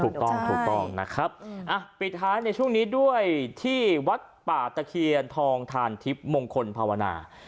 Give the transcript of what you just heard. ถูกต้องถูกต้องนะครับปิดท้ายในช่วงนี้ด้วยที่วัดป่าตะเคียนทองทานทิพย์มงคลภาวนา